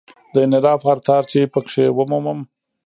د انحراف هر تار چې په کې ومومم.